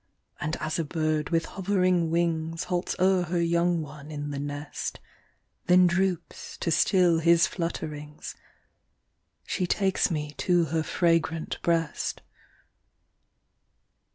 And as a bird with hovering wings Halts o'er her young one in the nest, Then droops to still his flutterings, She takes me to her fragrant breast.